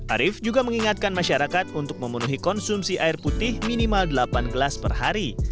arief juga mengingatkan masyarakat untuk memenuhi konsumsi air putih minimal delapan gelas per hari